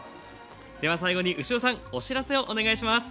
では最後に牛尾さんお知らせをお願いします。